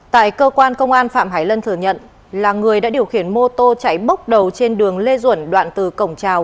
tại cơ quan công an phạm hải lân thừa nhận là người đã điều khiển mô tô chạy bốc đầu trên đường lê duẩn đoạn từ cổng trào